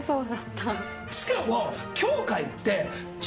しかも。